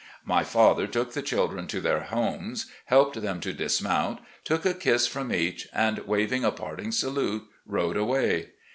My father took the children to their homes, helped them to dismount, took a kiss from each, and, wav ing a parting salute, rode away.